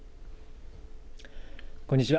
こんにちは。